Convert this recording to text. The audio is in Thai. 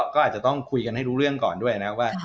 ก็อาจจะต้องคุยกันให้รู้เรื่องก่อนด้วยนะว่า